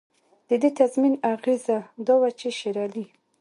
د دې تضمین اغېزه دا وه چې شېرعلي.